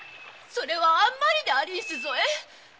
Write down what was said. それはあんまりでありんすぞえ。